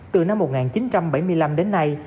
từ năm một nghìn chín trăm bảy mươi năm đến nay